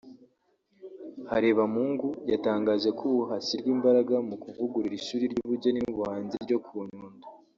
Harebamungu yatangaje ko ubu hashyirwa imbaraga mu kuvugurura ishuri ry’ubugeni n’ubuhanzi ryo ku Nyundo